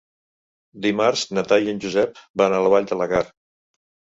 Dimarts na Thaís i en Josep van a la Vall de Laguar.